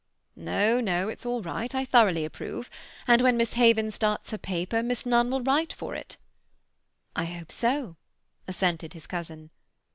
"No, no. It's all right. I thoroughly approve. And when Miss Haven starts her paper, Miss Nunn will write for it." "I hope so," assented his cousin.